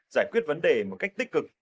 giải quyết vấn đề một cách tích cực